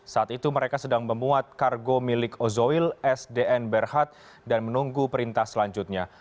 saat itu mereka sedang memuat kargo milik ozoil sdn berhad dan menunggu perintah selanjutnya